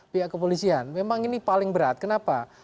pihak kepolisian memang ini paling berat kenapa